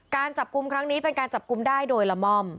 การจับกลุ่มครั้งนี้เป็นการจับกลุ่มได้โดยละม่อม